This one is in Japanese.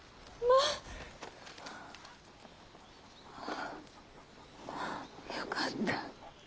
あぁよかった。